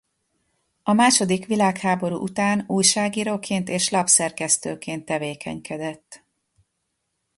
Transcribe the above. A második világháború után újságíróként és lapszerkesztőként tevékenykedett.